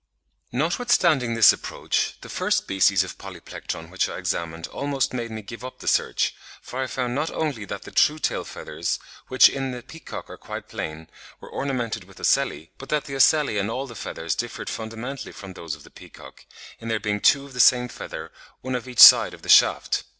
] Notwithstanding this approach, the first species of Polyplectron which I examined almost made me give up the search; for I found not only that the true tail feathers, which in the peacock are quite plain, were ornamented with ocelli, but that the ocelli on all the feathers differed fundamentally from those of the peacock, in there being two on the same feather (Fig. 55), one on each side of the shaft.